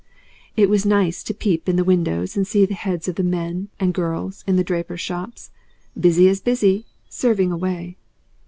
It was nice to peep in the windows and see the heads of the men and girls in the drapers' shops, busy as busy, serving away.